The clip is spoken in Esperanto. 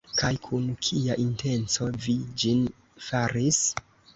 Kaj kun kia intenco vi ĝin faris?